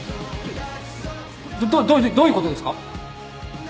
どどどういうことですか？